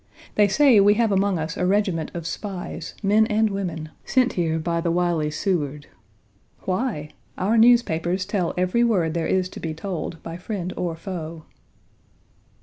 They say we have among us a regiment of spies, men and women, sent here by the wily Seward. Why? Our newspapers tell every word there is to be told, by friend or foe.